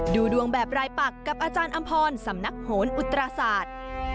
ดูดวงแบบรายปักกับอาจารย์อำพรสำนักโหนอุตราศาสตร์